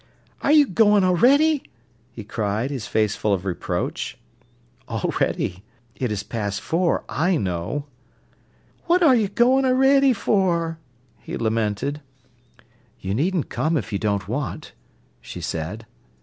"Are you goin' a'ready?" he cried, his face full of reproach. "Already? It is past four, I know." "What are you goin' a'ready for?" he lamented. "You needn't come if you don't want," she said.